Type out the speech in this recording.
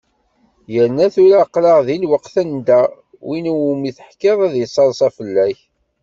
Yerna tura aql-aɣ deg lweqt anda win i wumi teḥkiḍ ad yettaḍsa fell-k.